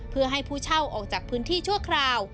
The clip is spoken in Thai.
เพื่อให้ผู้เช่าออกจากพื้นที่ชั่วคราว